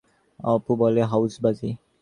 অপু বলে, হাউই বাজি।